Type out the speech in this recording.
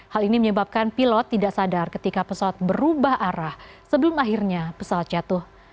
hal ini menyebabkan pilot tidak sadar ketika pesawat berubah arah sebelum akhirnya pesawat jatuh